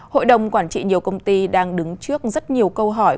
hội đồng quản trị nhiều công ty đang đứng trước rất nhiều câu hỏi